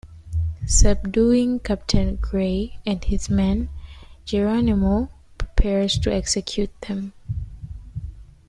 Subduing Captain Gray and his men, Geronimo prepares to execute them.